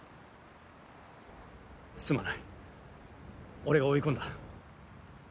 すまない俺が追い込んだ。